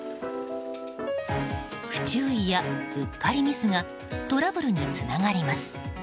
不注意やうっかりミスがトラブルにつながります。